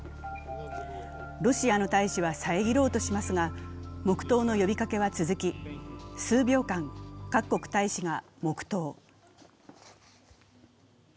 ロシアの大使は遮ろうとしますが、黙とうの呼びかけは続き数秒間、各国大使が黙とう。